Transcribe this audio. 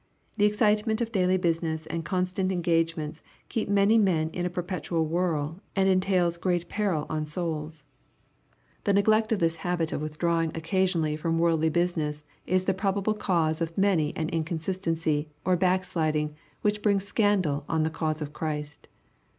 The excitement of daily business and constant engagements keeps many men in A perpetual whirl, and entails great peril on souls. The 128 EXPOSITOBT THOUGHTa neglect of this habit of withdrawing occasionaJy from worldly business is the probable cause of many an incon sistency or backsliding which brings scandal on the cause of Christ.